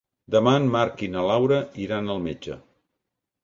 Demà en Marc i na Laura iran al metge.